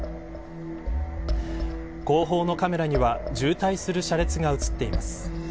後方のカメラには渋滞する車列が映っています。